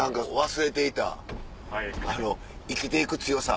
忘れていた生きて行く強さ。